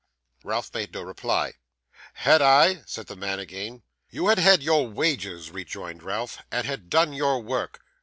Ralph made no reply. 'Had I?' said the man again. 'You had had your wages,' rejoined Ralph, 'and had done your work.